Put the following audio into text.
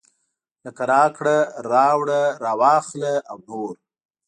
لکه راکړه راوړه راواخله او نور.